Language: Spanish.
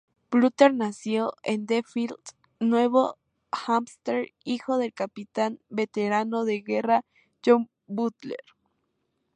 Butler nació en Deerfield, Nuevo Hampshire, hijo del Capitán veterano de guerra John Butler.